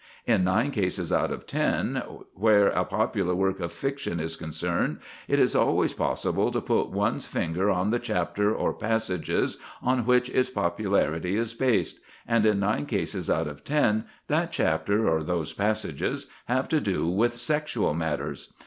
In nine cases out of ten, where a popular work of fiction is concerned, it is always possible to put one's finger on the chapter or passages on which its popularity is based; and in nine cases out of ten that chapter or those passages have to do with sexual matters.